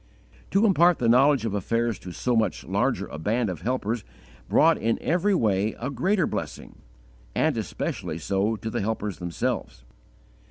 To impart the knowledge of affairs to so much larger a band of helpers brought in every way a greater blessing, and especially so to the helpers themselves.